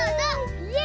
イエイ！